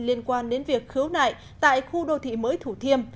liên quan đến việc khứu nại tại khu đô thị mới thủ thiêm